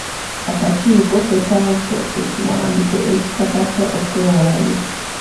Akakiiko ketaaze ekiwandiiko ekikakasa okwewaayo.